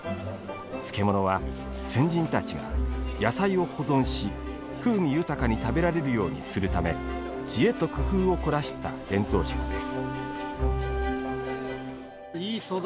漬物は、先人たちが野菜を保存し風味豊かに食べられるようにするため知恵と工夫を凝らした伝統食です。